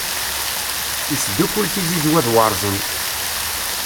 Isdukkul tizizwa d warẓen.